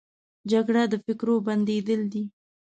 جګړه د فکرو بندېدل دي